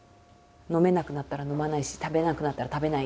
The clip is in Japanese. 飲めなくなったら飲まないし食べれなくなったら食べない。